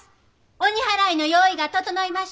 鬼払いの用意が整いました。